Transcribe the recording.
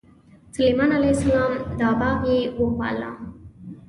سلیمان علیه السلام دا باغ یې وپاله.